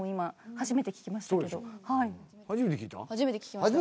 初めて聴きました。